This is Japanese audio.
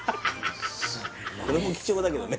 これも貴重だけどね